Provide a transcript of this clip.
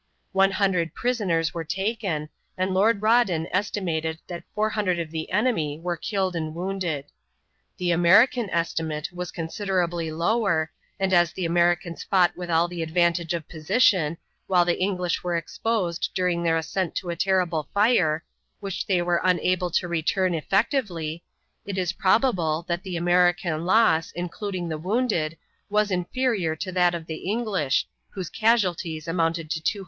One hundred prisoners were taken, and Lord Rawdon estimated that 400 of the enemy were killed and wounded. The American estimate was considerably lower, and as the Americans fought with all the advantage of position, while the English were exposed during their ascent to a terrible fire, which they were unable to return effectively, it is probable that the American loss, including the wounded, was inferior to that of the English, whose casualties amounted to 258.